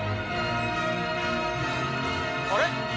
あれ？